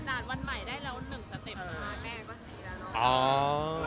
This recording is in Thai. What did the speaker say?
หอแม่แล้วนะ